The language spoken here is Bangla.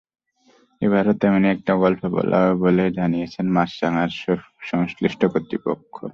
এবারও তেমনি একটি গল্প বলা হবে বলে জানিয়েছে মাছরাঙার সংশ্লিষ্ট কর্তৃপক্ষ।